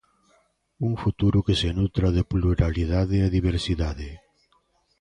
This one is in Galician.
Un futuro que se nutra de pluralidade e diversidade.